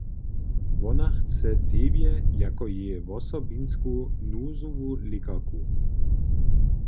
Wona chce tebje jako jeje wosobinsku nuzowu lěkarku.